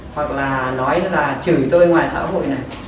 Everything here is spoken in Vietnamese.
hoặc là nói là chửi tôi ngoài xã hội này